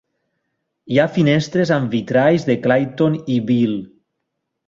Hi ha finestres amb vitralls de Clayton i Bell.